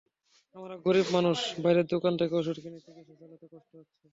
আমরা গরিব মানুষ, বাইরের দোকান থেকে ওষুধ কিনে চিকিৎসা চালাতে কষ্ট হচ্ছে।